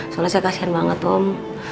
soalnya saya kasihan banget om